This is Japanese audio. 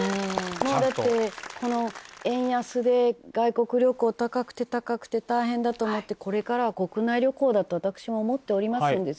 もうだってこの円安で外国旅行高くて高くて大変だと思ってこれからは国内旅行だと私も思っておりますんですよ。